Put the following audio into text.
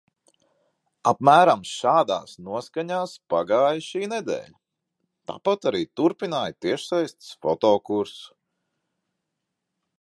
Apmēram šādās noskaņās pagāja šī nedēļa. Tāpat arī turpināju tiešsaistes fotokursu.